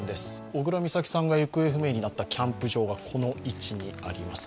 小倉美咲さんが行方不明になったキャンプ場がこの位置にあります。